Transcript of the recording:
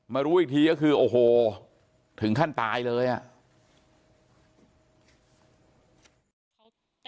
รู้อีกทีก็คือโอ้โหถึงขั้นตายเลยอ่ะ